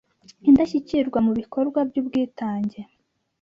Indashyikirwa mu bikorwa by’ubwitange